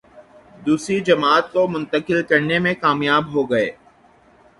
دوسری جماعت کو منتقل کرنے میں کامیاب ہو گئے۔